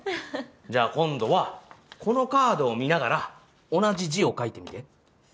じゃあ今度はこのカードを見ながら同じ字を書いてみて。